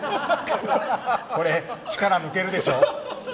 これ、力抜けるでしょ？